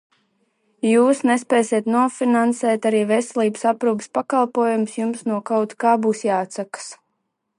Jūs nespēsiet nofinansēt arī veselības aprūpes pakalpojumus, jums no kaut kā būs jāatsakās.